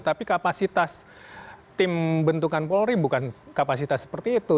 tapi kapasitas tim bentukan polri bukan kapasitas seperti itu